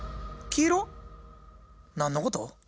何のこと？